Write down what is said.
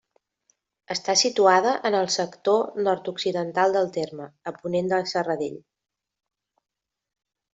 Està situada en el sector nord-occidental del terme, a ponent de Serradell.